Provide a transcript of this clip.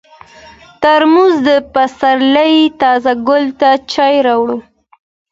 ترموز د پسرلي تازه ګل ته چای راوړي.